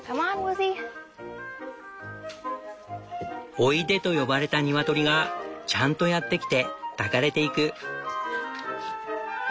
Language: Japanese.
「おいで」と呼ばれたニワトリがちゃんとやって来て抱かれていく。